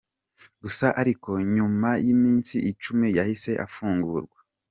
Gusa ariko nyuma y’iminsi icumi yahise afungurwa.